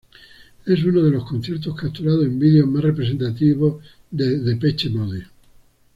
Es uno de los conciertos capturados en video más representativos de Depeche Mode.